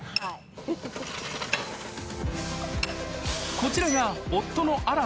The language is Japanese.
［こちらが夫の］